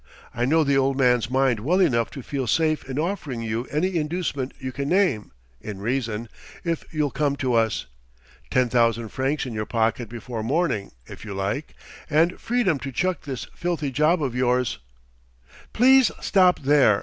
I know the Old Man's mind well enough to feel safe in offering you any inducement you can name, in reason, if you'll come to us. Ten thousand francs in your pocket before morning, if you like, and freedom to chuck this filthy job of yours " "Please stop there!"